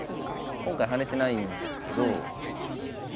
今回跳ねてないんですけどま